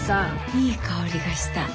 いい香りがした。